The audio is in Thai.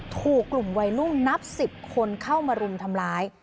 ถูกกลุ่มวัยรุ่นนับ๑๐คนเข้ามารุมทำร้าย